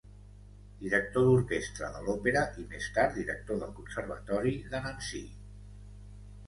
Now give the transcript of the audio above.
Director d'orquestra de l'Òpera, i més tard director del Conservatori de Nancy.